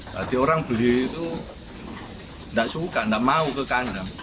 jadi orang beli itu tidak suka tidak mau ke kandang